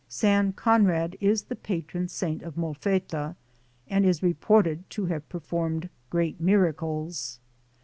San Con rad is the Patron Saint of Molfetta, and is reported to have performed great miracles.